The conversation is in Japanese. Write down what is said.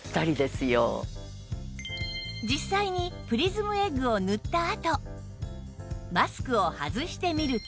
実際にプリズムエッグを塗ったあとマスクを外してみると